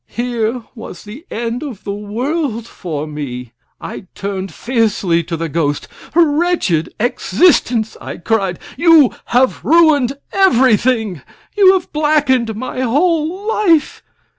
Here was the end of the world for me! I turned fiercely to the ghost. "Wretched existence!" I cried. "You have ruined everything. You have blackened my whole life.